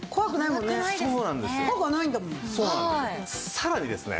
さらにですね